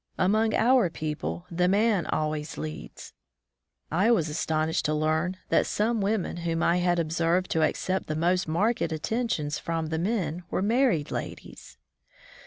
Among our people the man always leads. I was astonished to learn that some women whom I had observed to accept the most marked attentions from the men were married ladies.